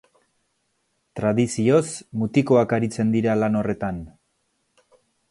Tradizioz mutikoak aritzen dira lan horretan.